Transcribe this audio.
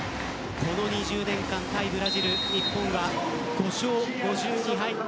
この２０年間、対ブラジル日本は５勝５２敗